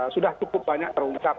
sudah cukup banyak terungkap